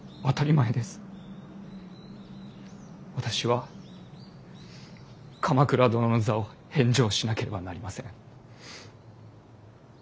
私は鎌倉殿の座を返上しなければなりません。